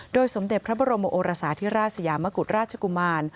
สมเด็จพระบรมโอรสาธิราชสยามกุฎราชกุมาร